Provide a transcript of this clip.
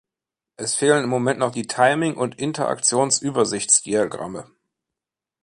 Es fehlen im Moment noch die Timing- und Interaktionsübersichtsdiagramme.